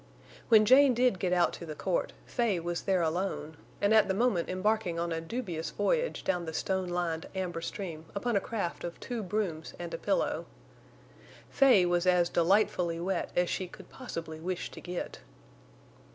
When Jane did get out to the court, Fay was there alone, and at the moment embarking on a dubious voyage down the stone lined amber stream upon a craft of two brooms and a pillow. Fay was as delightfully wet as she could possibly wish to get.